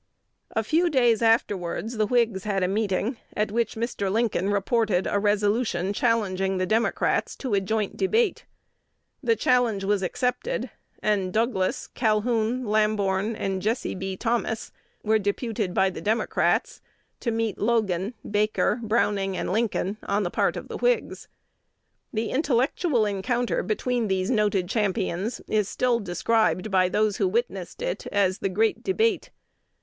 A few days afterwards the Whigs had a meeting, at which Mr. Lincoln reported a resolution challenging the Democrats to a joint debate. The challenge was accepted; and Douglas, Calhoun, Lamborn, and Jesse B. Thomas were deputed by the Democrats to meet Logan, Baker, Browning, and Lincoln on the part of the Whigs. The intellectual encounter between these noted champions is still described by those who witnessed it as "the great debate."